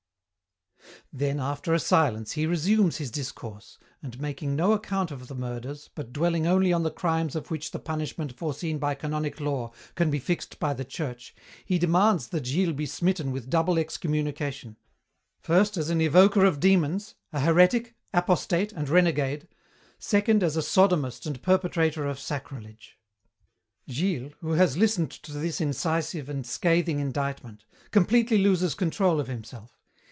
"Then after a silence he resumes his discourse, and making no account of the murders, but dwelling only on the crimes of which the punishment, foreseen by canonic law, can be fixed by the Church, he demands that Gilles be smitten with double excommunication, first as an evoker of demons, a heretic, apostate and renegade, second as a sodomist and perpetrator of sacrilege. "Gilles, who has listened to this incisive and scathing indictment, completely loses control of himself.